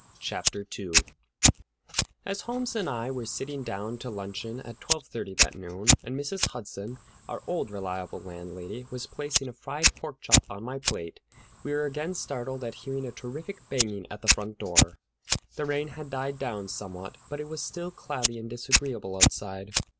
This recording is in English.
CHAPTER II As Holmes and I were sitting down to luncheon at twelve thirty that noon, and Mrs. Hudson, our old reliable landlady, was placing a fried pork chop on my plate, we were again startled at hearing a terrific banging at the front door. The rain had died down somewhat, but it was still cloudy and disagreeable outside.